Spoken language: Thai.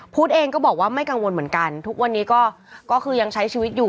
เองก็บอกว่าไม่กังวลเหมือนกันทุกวันนี้ก็คือยังใช้ชีวิตอยู่